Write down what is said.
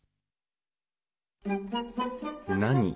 何？